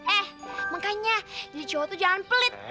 eh makanya jadi cowok tuh jangan pelit